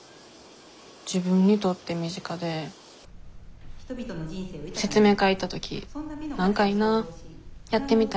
自分にとって身近で説明会行った時何かいいなやってみたいなって思ったってくらい。